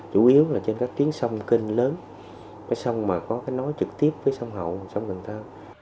chủ yếu là trên các tiếng sông kênh lớn cái sông mà có cái nói trực tiếp với sông hậu sông cần thơ